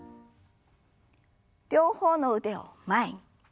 両方の腕を前に。